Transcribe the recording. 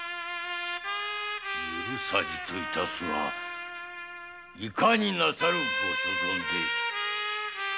許さじといたすはいかになさるご所存で。